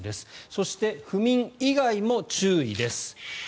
そして、不眠以外も注意です。